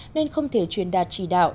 nên không thể truyền đạt chỉ đạo